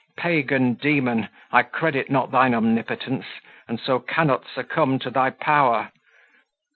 Pagan demon, I credit not thine omnipotence, and so cannot succumb to thy power.